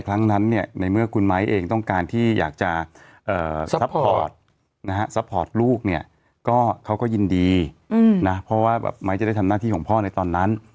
เขาก็ยินดีนะเพราะว่าแบบไหม้จะได้ทำหน้าที่ของพ่อในตอนนั้น